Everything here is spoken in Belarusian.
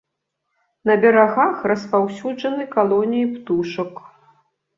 На берагах распаўсюджаны калоніі птушак.